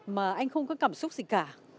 mà anh không có cảm xúc gì cả